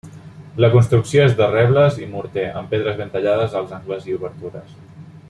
La construcció és de rebles i morter amb pedres ben tallades als angles i obertures.